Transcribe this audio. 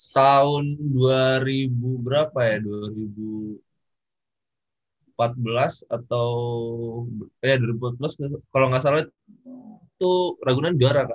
tahun dua ribu berapa ya dua ribu empat belas atau ya dua ribu empat belas kalo gak salah itu ragunan juara kak